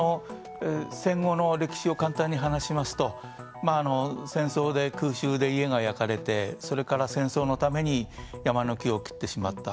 戦後の歴史を簡単に話しますと戦争で空襲で家が焼かれてそれから戦争のために山の木を切ってしまった。